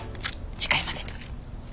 次回までに。